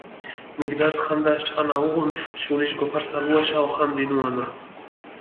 მიდგას ხანდაშ ჭყანა უღუნ, შურიშ გოფარსალუაშა ოხანდინუანა.